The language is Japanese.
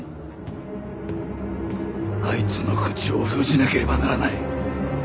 あいつの口を封じなければならない！